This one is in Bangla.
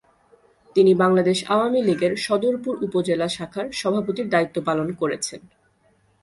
তিনি বাংলাদেশ আওয়ামী লীগের সদরপুর উপজেলা শাখার সভাপতির দায়িত্ব পালন করেছেন।